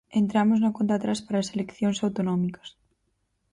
Entramos na conta atrás para as eleccións autonómicas.